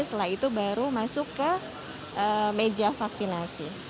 setelah itu baru masuk ke meja vaksinasi